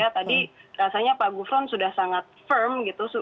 tadi rasanya pak gufron sudah sangat firm gitu